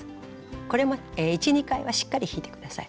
これも１２回はしっかり引いて下さい。